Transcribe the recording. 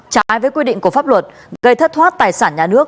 trái với quy định của pháp luật gây thất thoát tài sản nhà nước hơn tám tỷ đồng